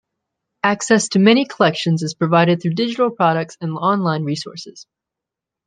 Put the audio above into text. Access to many collections is provided through digital products and online resources.